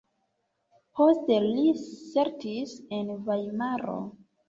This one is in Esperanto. Poste li setlis en Vajmaro.